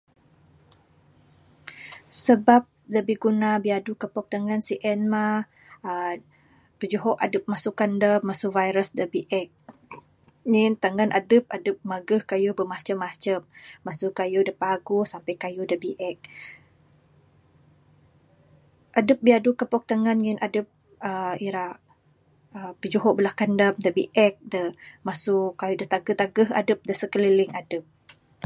Sabab da biguna biadu kopok tangan sien mah uhh pijuho adep masu kandam, masu virus da biek. Ngin tangan adep adep mageh kayuh bimacam macam masu kayuh da paguh sampe kayuh da biek. Adep biadu kupok tangan ngin adep uhh ira pijuho bala kandam da biek, da masu kayuh da tageh tageh adep da sekeliling adep.